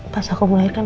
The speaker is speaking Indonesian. pas aku melahirkan